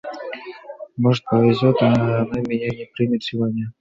Может повезет, она меня не примет сегодня.